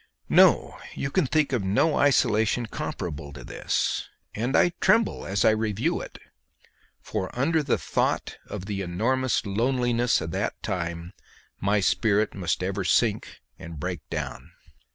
No! you can think of no isolation comparable to this; and I tremble as I review it, for under the thought of the enormous loneliness of that time my spirit must ever sink and break down.